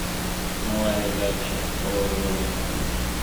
مه وايه دا چي اور وړي خوله كي.